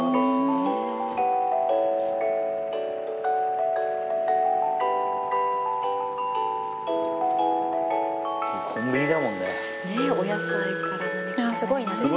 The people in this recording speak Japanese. すごいな。